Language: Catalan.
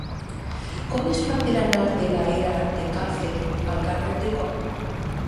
Com es fa per anar de la era de Cal Feliu al carrer de Coll?